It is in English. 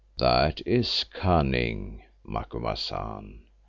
"That is cunning, Macumazahn.